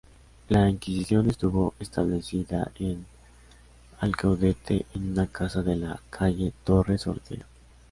La Inquisición estuvo establecida en Alcaudete en una casa de la calle Torres Ortega.